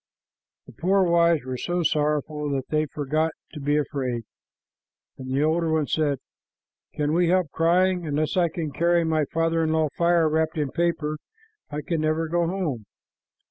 The poor wives were so sorrowful that they forgot to be afraid, and the older one said, "Can we help crying? Unless I can carry to my father in law fire wrapped in paper, I can never go home."